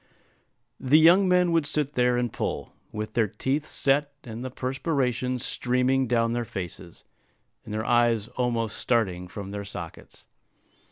The young men would sit there and pull, with their teeth set, and the perspiration streaming down their faces, and their eyes almost starting from their sockets.